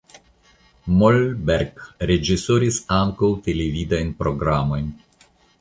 Mollberg reĝisoris ankaŭ televidajn programojn.